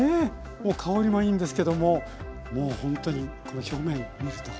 もう香りもいいんですけどももうほんとにこの表面見ると。